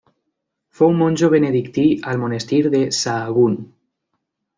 Fou monjo benedictí al monestir de Sahagún.